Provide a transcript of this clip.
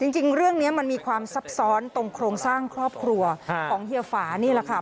จริงเรื่องนี้มันมีความซับซ้อนตรงโครงสร้างครอบครัวของเฮียฝานี่แหละค่ะ